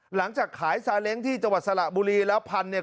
หลังจากขายซาเล้งที่จังหวัดสระบุรีแล้วพันธุ์เนี่ย